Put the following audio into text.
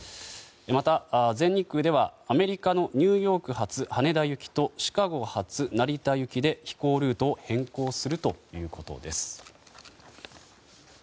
また、全日空ではアメリカのニューヨーク発羽田行きとシカゴ発成田行きで飛行ルートを変更するということです。